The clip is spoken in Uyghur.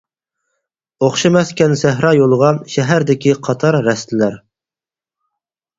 ئوخشىماسكەن سەھرا يولىغا، شەھەردىكى قاتار رەستىلەر.